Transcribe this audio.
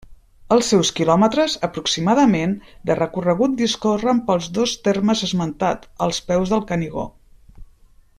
Els seus quilòmetres, aproximadament, de recorregut discorren pels dos termes esmentats, als peus del Canigó.